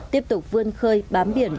tiếp tục vươn khơi bám biển